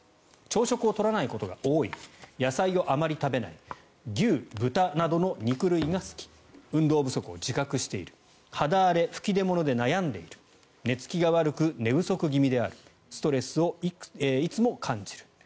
朝食を取らないことが多い野菜をあまり食べない牛・豚などの肉類が好き運動不足を自覚している肌荒れ、吹き出物で悩んでいる寝付きが悪く寝不足気味であるストレスをいつも感じる。